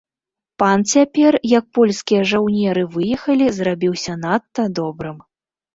Пан цяпер, як польскія жаўнеры выехалі, зрабіўся надта добрым.